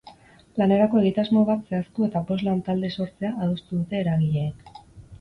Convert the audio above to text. Lanerako egitasmo bat zehaztu eta bost lantalde sortzea adostu dute eragileek.